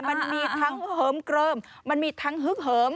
มันมีทั้งเหิมเกลิมมันมีทั้งฮึกเหิม